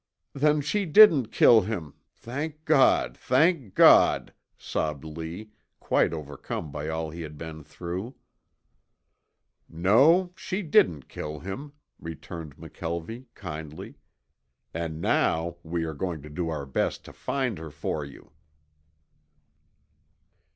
"Then she didn't kill him, thank God, thank God," sobbed Lee, quite overcome by all he had been through. "No, she didn't kill him," returned McKelvie kindly. "And now we are going to do our best to find her for you."